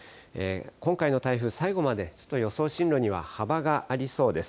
今回の台風、最後まで予想進路には幅がありそうです。